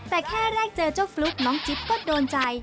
แต่แค่แรกเจอเจ้าฟลุ๊กน้องจิ๊บก็โดนใจ